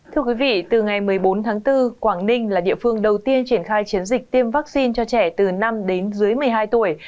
thưa quý vị từ ngày một mươi bốn tháng bốn quảng ninh là địa phương đầu tiên triển khai chiến dịch tiêm vaccine cho trẻ từ năm đến dưới một mươi hai tuổi